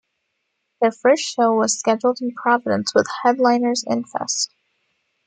Their first show was scheduled in Providence with headliners Infest.